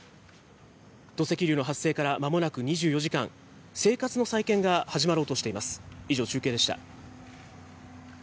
土石流の発生からまもなく２４時間、生活の再建が始まろうとしています。